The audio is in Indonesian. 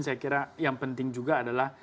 saya kira yang penting juga adalah